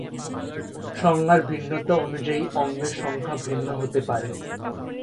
সংজ্ঞার ভিন্নতা অনুযায়ী অঙ্গের সংখ্যা ভিন্ন হতে পারে।